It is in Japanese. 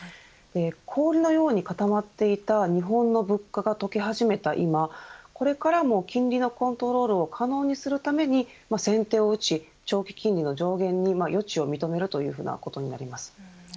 このように固まっていた日本の物価が溶け始めた今これからも金利のコントロールを可能にするために、先手を打ち、長期金利の上限に余地を認めることになります。